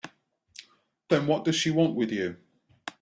Then what does she want with you?